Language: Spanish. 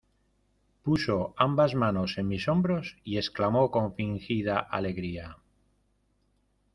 puso ambas manos en mis hombros y exclamó con fingida alegría: